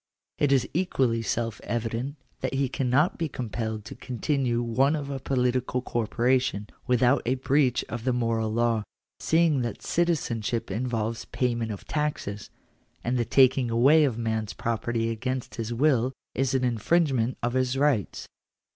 It is equally self evident that he cannot be compelled to continue one of a political corporation, without a breach of the moral law, seeing that citizenship involves payment of taxes ; and the taking away of a man's property against his will, is an infringement of his rights (p.